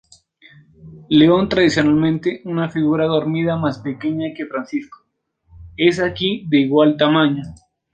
León, tradicionalmente una figura dormida más pequeña que Francisco, es aquí de igual tamaño.